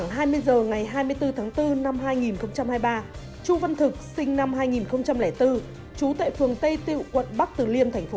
hãy đăng ký kênh để ủng hộ kênh của chúng mình nhé